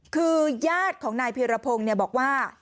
คือยาดของนายพีรพงศ์เนี่ยบอกว่า